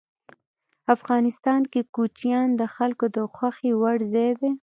افغانستان کې کوچیان د خلکو د خوښې وړ ځای دی.